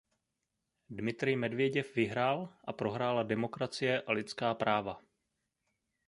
Dmitrij Medveděv vyhrál a prohrála demokracie a lidská práva.